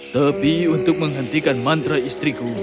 tapi untuk menghentikan mantra istriku